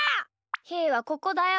ひーはここだよ。